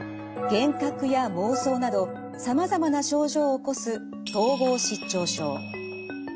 幻覚や妄想などさまざまな症状を起こす統合失調症。